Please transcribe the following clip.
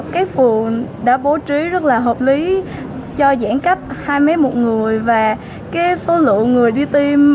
các phường đã bố trí rất là hợp lý cho giãn cách hai mấy một người và số lượng người đi tiêm